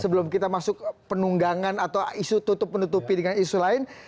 sebelum kita masuk penunggangan atau isu tutup menutupi dengan isu lain